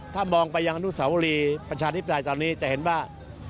ถ้ามองไปยังอนุสาวรีประชาธิปไตยตอนนี้จะเห็นว่า